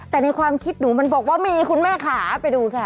แต่ในความคิดหนูมันบอกว่ามีคุณแม่ขาไปดูค่ะ